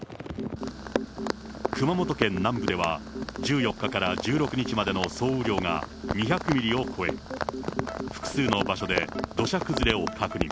熊本県南部では、１４日から１６日までの総雨量が２００ミリを超え、複数の場所で土砂崩れを確認。